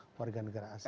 keluarga negara asing